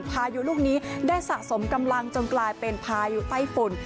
พายุลูกนี้ได้สะสมกำลังจนกลายเป็นพายุไต้ฝุ่น